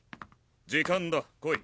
時間だ来い。